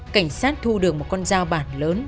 cảnh sát thu được một con dao bản lớn